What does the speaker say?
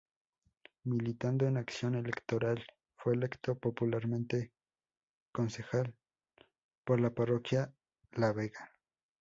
Militando en Acción Electoral fue electo popularmente concejal por la parroquia La Vega.